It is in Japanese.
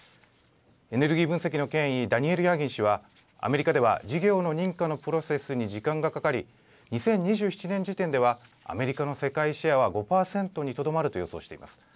エネルギー分析の権威ダニエル・ヤーギン氏はアメリカでは事業の認可のプロセスに時間がかかり２０２７年時点ではアメリカの世界シェアは５％にとどまると予想しています。